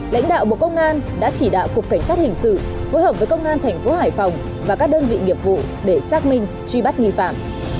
lãnh đạo bộ công an đã chỉ đạo cục cảnh sát hình sự phối hợp với công an thành phố hải phòng và các đơn vị nghiệp vụ để xác minh truy bắt nghi phạm